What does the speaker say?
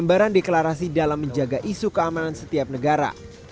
gambaran deklarasi dalam menjaga isu keamanan setiap negara